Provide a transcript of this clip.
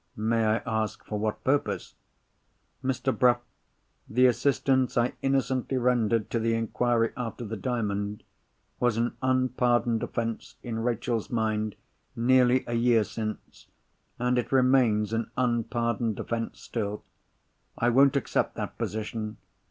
"May I ask for what purpose?" "Mr. Bruff, the assistance I innocently rendered to the inquiry after the Diamond was an unpardoned offence, in Rachel's mind, nearly a year since; and it remains an unpardoned offence still. I won't accept that position!